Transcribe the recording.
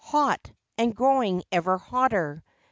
Hot, and growing ever hotter